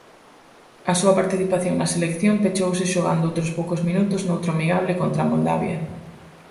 A súa participación na selección pechouse xogando outros poucos minutos noutro amigable contra Moldavia.